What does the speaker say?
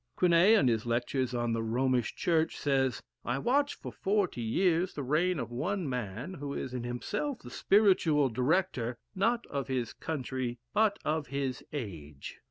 Quinet, in his lectures on the Romish Church, says: "I watch, for forty years, the reign of one man who is in himself the spiritual director, not of his country, but of his age.